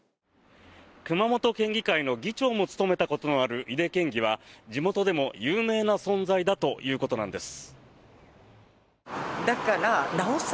熊本県議会の議長も務めたことがある井手県議は地元でも有名な存在であるということなんです。